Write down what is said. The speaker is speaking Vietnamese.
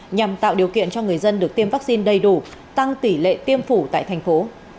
nhằm tạo điều kiện cho người dân được tiêm vaccine đầy đủ tăng tỷ lệ tiêm phủ tại thành phố